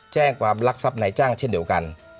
แจ้งความลักษณะในจ้างเช่นเดียวกัน